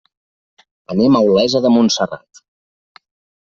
Anem a Olesa de Montserrat.